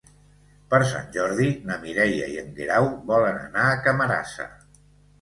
Per Sant Jordi na Mireia i en Guerau volen anar a Camarasa.